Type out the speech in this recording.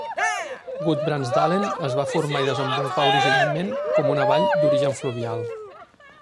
Gudbrandsdalen es va formar i desenvolupar originalment com una vall d'origen fluvial.